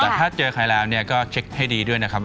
แต่ถ้าเจอใครแล้วก็เช็คให้ดีด้วยนะครับ